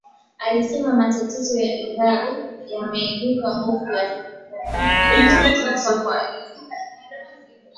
amesema ni kweli matatizo ya ireland yameibua hofu ya kuporomoka kwa euro